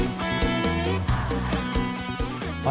warung siapa doi